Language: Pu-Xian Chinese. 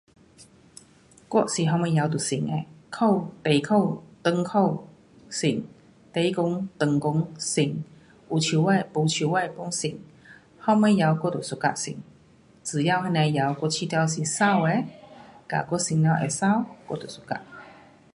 我是什么衣都穿的，裤，短裤，长裤，穿，短裙，长裙，穿，有手袖没手袖 pun 穿。什么衣我都 suka 穿。只要那样的衣我觉得是美的，跟我穿了会美，我都 suka.